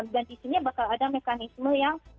dan di sini bakal ada mekanisme yang